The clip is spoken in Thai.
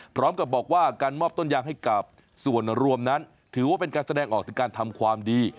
พร้อมกับบอกว่าการมอบต้นยางให้กับส่วนรวมนั้นถือว่าเป็นการแสดงออกถึงการทำความดี